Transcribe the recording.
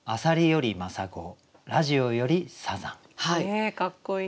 えかっこいい！